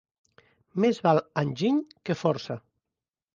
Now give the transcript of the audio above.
Més val enginy que força.